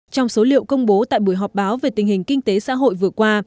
trong số liệu công bố tại buổi họp báo về tình hình kinh tế xã hội vừa qua